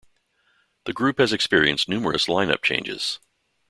The group has experienced numerous line-up changes.